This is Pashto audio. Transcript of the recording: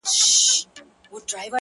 خو هغه ليونۍ وايي;